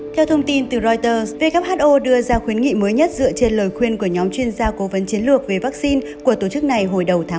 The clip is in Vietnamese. theo thông tin từ reuters who đưa ra khuyến nghị mới nhất dựa trên lời khuyên của nhóm chuyên gia cố vấn chiến lược về vaccine của tổ chức này hồi đầu tháng ba